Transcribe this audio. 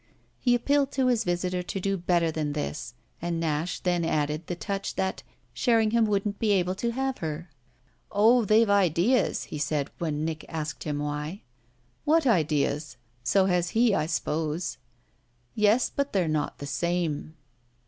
He appealed to his visitor to do better than this, and Nash then added the touch that Sherringham wouldn't be able to have her. "Oh they've ideas!" he said when Nick asked him why. "What ideas? So has he, I suppose." "Yes, but they're not the same."